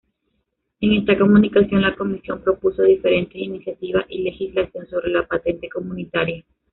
En esta comunicación, la Comisión propuso diferentes iniciativas y legislación sobre la patente comunitaria.